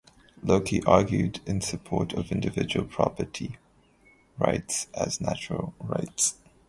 Locke argued in support of individual property rights as natural rights.